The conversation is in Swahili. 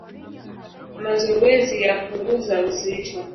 Mazowezi yapunguza uzito